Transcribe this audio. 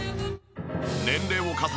年齢を重ね